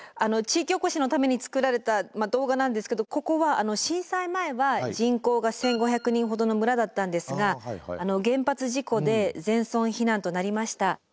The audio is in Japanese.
地域おこしのために作られた動画なんですけどここは震災前は人口が１，５００人ほどの村だったんですが原発事故で全村避難となりました。